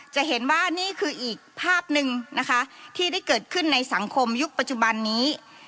จะเห็นว่านี่คืออีกภาพหนึ่งนะคะที่ได้เกิดขึ้นในสังคมยุคปัจจุบันนี้